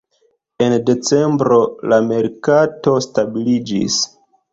En decembro la merkato stabiliĝis.